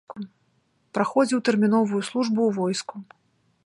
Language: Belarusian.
Праходзіў тэрміновую службу ў войску.